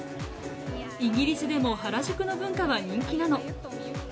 イギリスでも原宿の文化は人気なの。